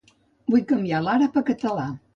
Vull canviar l'àrab a català.